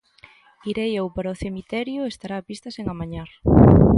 Irei eu para o cemiterio e estará a pista sen amañar.